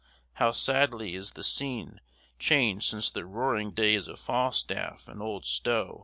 how sadly is the scene changed since the roaring days of Falstaff and old Stow!